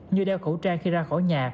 như đeo khẩu trang khi ra khỏi nhà